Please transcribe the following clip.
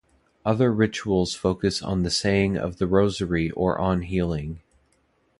Other rituals focus on the saying of the rosary or on healing.